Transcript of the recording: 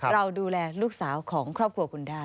เราดูแลลูกสาวของครอบครัวคุณได้